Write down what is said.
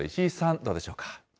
どうでしょうか。